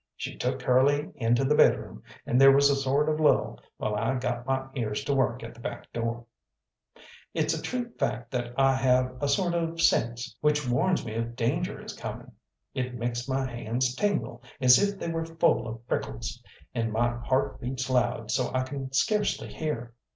She took Curly into the bedroom, and there was a sort of lull, while I got my ears to work at the back door. It's a true fact that I have a sort of sense which warns me if danger is coming. It makes my hands tingle as if they were full of prickles, and my heart beats loud, so I can scarcely hear.